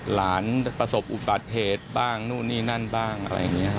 ประสบอุบัติเหตุบ้างนู่นนี่นั่นบ้างอะไรอย่างนี้